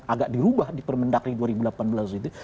agak dirubah di permendagri dua ribu delapan belas itu